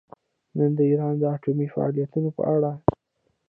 نن د ایران د اټومي فعالیتونو په اړه